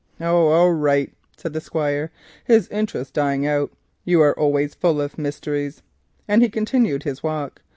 "Oh, all right," said the Squire, his interest dying out. "You are always full of twopenny halfpenny mysteries," and he continued his walk.